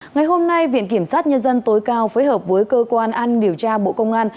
ngày hôm nay viện kiểm sát nhân dân tối cao phối hợp với cơ quan an điều tra bộ công an